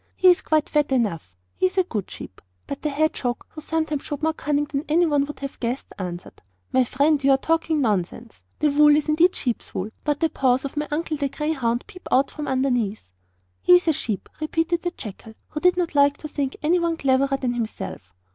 'He is quite fat enough; he is a good sheep.' But the hedgehog, who sometimes showed more cunning than anyone would have guessed, answered: 'My friend, you are talking nonsense. The wool is indeed a sheep's wool, but the paws of my uncle the greyhound peep out from underneath.' 'He is a sheep,' repeated the jackal, who did not like to think anyone cleverer than himself.